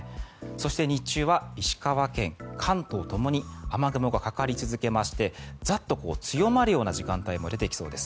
そして日中は石川県、関東ともに雨雲がかかり続けましてザッと強まるような時間帯も出てきそうです。